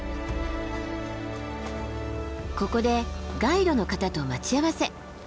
ここでガイドの方と待ち合わせ。